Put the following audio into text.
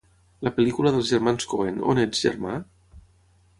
La pel·lícula dels germans Coen On ets, germà?